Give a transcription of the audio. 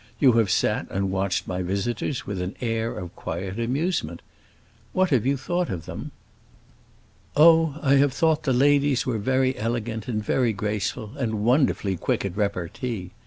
"You have sat and watched my visitors with an air of quiet amusement. What have you thought of them?" "Oh, I have thought the ladies were very elegant and very graceful, and wonderfully quick at repartee.